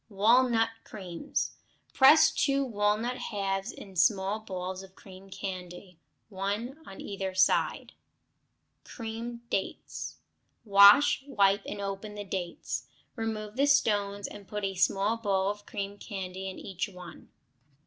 Walnut Creams Press two walnut halves on small balls of cream candy, one on either side. Creamed Dates Wash, wipe, and open the dates; remove the stones and put a small ball of cream candy into each one.